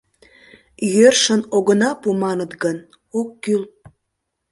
Йӧршын огына пу, маныт гын, ок кӱл.